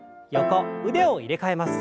腕を入れ替えます。